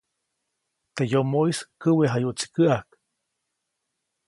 Teʼ yomoʼis käʼwejayuʼtsi käʼäjk.